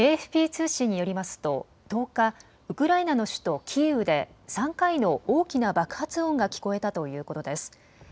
ＡＦＰ通信によりますと１０日、ウクライナの首都キーウで３回の大きな爆発音が聞こえたということです。